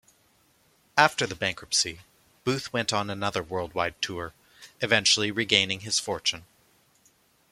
After the bankruptcy, Booth went on another worldwide tour, eventually regaining his fortune.